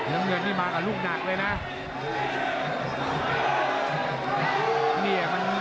น้ำเงินนี่มากับลูกหนักเลยนะ